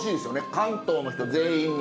関東の人全員に。